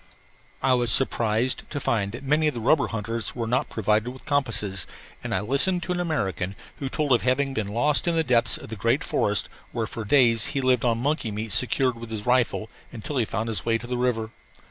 I was surprised to find that many of the rubber hunters were not provided with compasses, and I listened to an American who told of having been lost in the depths of the great forest where for days he lived on monkey meat secured with his rifle until he found his way to the river.